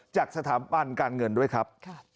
จากสถาบันการเงินด้วยครับ